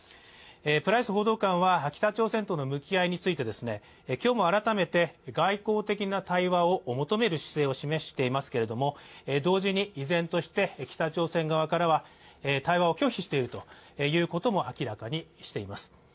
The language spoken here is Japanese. プライス報道官は北朝鮮との向き合い方について今日も改めて外交的な対話を求める姿勢を示していますけれども同時に、依然として北朝鮮側からは対話を拒否しているということも明らかにしています。